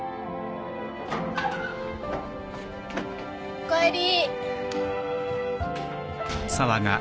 ・・・おかえり。